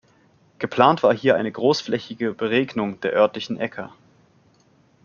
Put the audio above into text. Geplant war hier eine großflächige Beregnung der örtlichen Äcker.